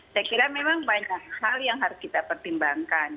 saya kira memang banyak hal yang harus kita pertimbangkan